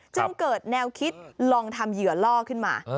จึงเกิดแนวคิดลองทำเหยื่อล่อขึ้นมา